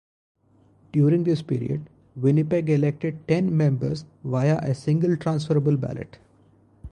During this period, Winnipeg elected ten members via a single transferable ballot.